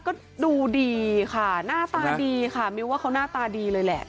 ก็ดูดีค่ะหน้าตาดีค่ะมิวว่าเขาหน้าตาดีเลยแหละ